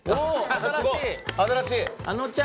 新しい。